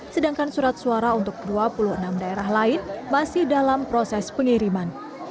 sedangkan surat suara untuk dua puluh enam daerah lain masih dalam proses pengiriman